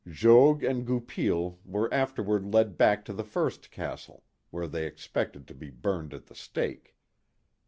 Jogues and Goupil were after ward led back to the first castle, where they expected to be burned at the stake.